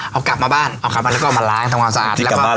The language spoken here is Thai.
เอากลับมาบ้านเอากลับมาแล้วก็ล้างทั้งความสะอาด